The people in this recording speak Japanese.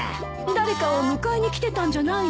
誰かを迎えに来てたんじゃないの？